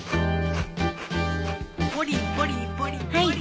ポリポリポリポリ。